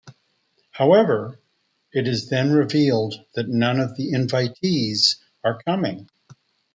However, it is then revealed that none of the invitees are coming.